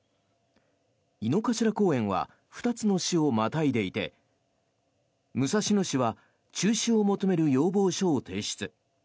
井の頭公園は２つの市をまたいでいて武蔵野市は中止を求める要望書を提出。